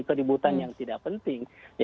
keributan yang tidak penting